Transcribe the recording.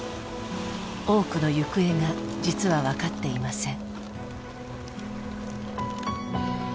多くの行方が実はわかっていません。